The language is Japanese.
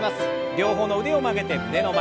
両方の腕を曲げて胸の前。